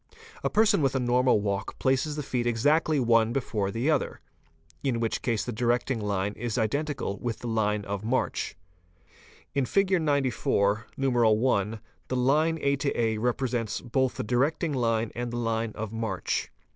A person with a normal walk places the feet exactly one before the other, in which case the directing line is identical with the line 518 FOOTPRINTS of march. In Fig. 94, I. the line a a represents both the directing line and the line of march.